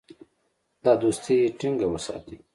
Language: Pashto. دا دوستي ټینګه وساتي.